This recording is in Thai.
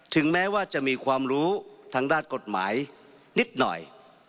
ถึงแม้ว่าจะมีความรู้ทางด้านกฎหมายนิดหน่อย